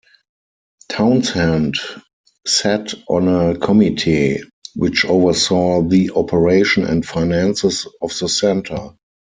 Townshend sat on a committee which oversaw the operation and finances of the centre.